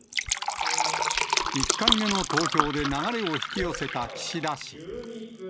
１回目の投票で流れを引き寄せた岸田氏。